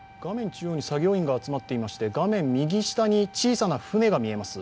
中央に作業員が集まっていまして画面右下に小さな船が見えます。